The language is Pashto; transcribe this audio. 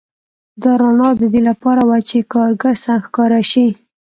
دا رڼا د دې لپاره وه چې کارګر سم ښکاره شي